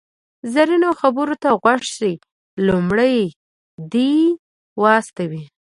زرینو خبرو ته غوږ شئ، لومړی دې و استوئ.